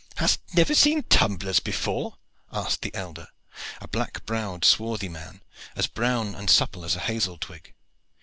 "Hast never seen tumblers before?" asked the elder, a black browed, swarthy man, as brown and supple as a hazel twig.